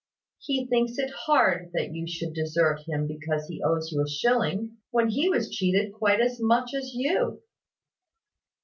He thinks it hard that you should desert him because he owes you a shilling, when he was cheated quite as much as you."